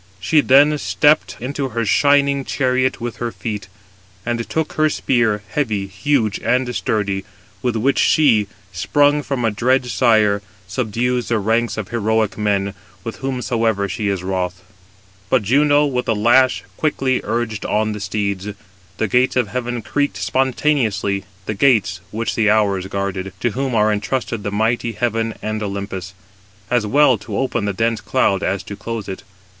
She then stepped into her shining chariot with her feet; and took her spear, heavy, huge, and sturdy, with which she, sprung from a dread sire, subdues the ranks of heroic men, with whomsoever she is wroth. But Juno with the lash quickly urged on the steeds. The gates of heaven creaked spontaneously, the gates which the Hours guarded, to whom are intrusted the mighty heaven and Olympus, as well to open the dense cloud as to close it.